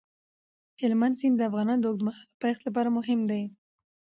هلمند سیند د افغانستان د اوږدمهاله پایښت لپاره مهم دی.